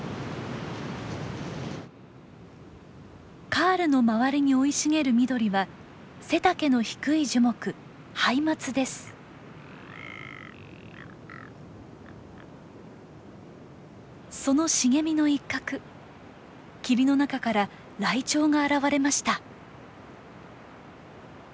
カールの周りに生い茂る緑は背丈の低い樹木その茂みの一角霧の中からライチョウが現れました。